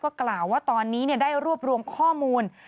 กล่าวว่าตอนนี้ได้รวบรวมข้อมูล